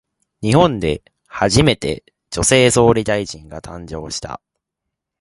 日本で初めて、女性総理大臣が誕生した。